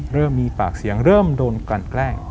เริ่มมีปากเสียงเริ่มโดนกันแกล้ง